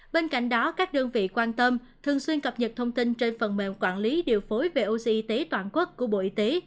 bên cạnh đó các đơn vị quan tâm thường xuyên cập nhật thông tin trên phần mềm quản lý điều phối về oxy toàn quốc của bộ y tế